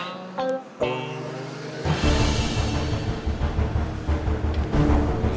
eh apaan sih